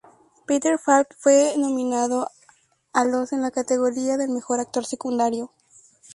Peter Falk fue nominado a los en la categoría del mejor actor secundario.